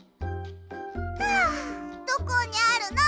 あどこにあるの？